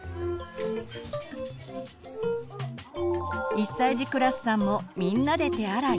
１歳児クラスさんもみんなで手洗い。